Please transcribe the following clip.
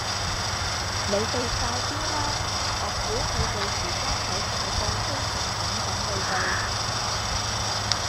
你哋快啲啦!岳父佢哋而家喺大埔墟站等緊你哋